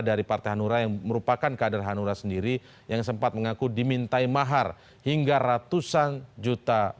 dari partai hanura yang merupakan kaader hanura sendiri yang sempat mengaku di mintai mahar hid confined her